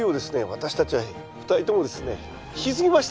私たちは２人ともですね引き継ぎましたね。